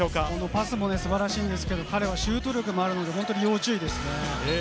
パスも素晴らしいのですが、シュート力もあるので要注意です。